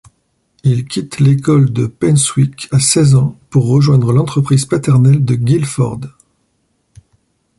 Il quitte l’école de Painswick à seize ans pour rejoindre l’entreprise paternelle de Guildford.